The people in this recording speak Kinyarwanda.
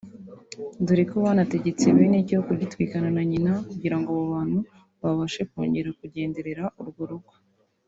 dore ko banategetse bene cyo kugitwikana na nyina kugira ngo abo bantu babashe kuba bakongera kugenderera urwo rugo